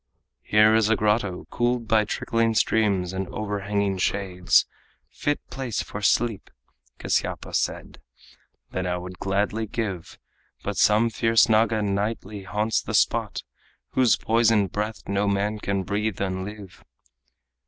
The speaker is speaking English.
"Here is a grotto, cooled by trickling streams And overhanging shades, fit place for sleep," Kasyapa said, "that I would gladly give; But some fierce Naga nightly haunts the spot Whose poisoned breath no man can breathe and live."